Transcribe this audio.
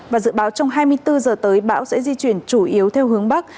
và dự báo trong hai mươi bốn giờ tới bão sẽ di chuyển chủ yếu theo hướng bắc